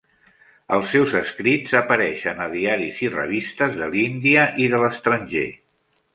Els seus escrits apareixen a diaris i revistes de l'Índia i de l'estranger.